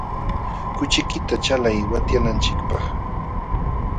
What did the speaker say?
Kuchiykita chalay watyananchikpaq.